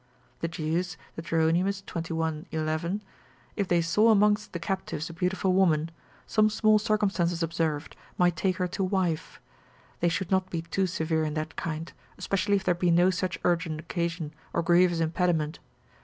The Jews, Deut. xxi. 11, if they saw amongst the captives a beautiful woman, some small circumstances observed, might take her to wife. They should not be too severe in that kind, especially if there be no such urgent occasion, or grievous impediment.